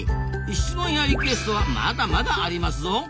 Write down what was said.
質問やリクエストはまだまだありますぞ！